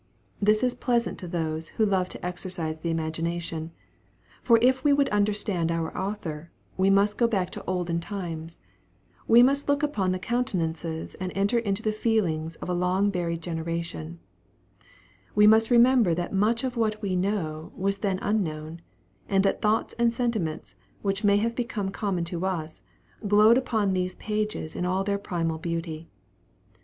This is pleasant to those who love to exercise the imagination for if we would understand our author, we must go back into olden times; we must look upon the countenances and enter into the feelings of a long buried generation; we must remember that much of what we know was then unknown, and that thoughts and sentiments which may have become common to us, glowed upon these pages in all their primal beauty.